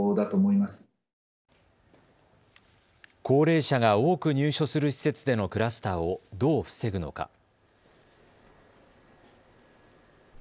高齢者が多く入所する施設でのクラスターをどう防ぐのか。